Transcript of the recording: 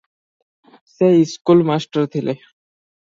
ସେ school master ଥିଲେ ।